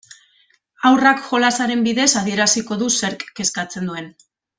Haurrak jolasaren bidez adieraziko du zerk kezkatzen duen.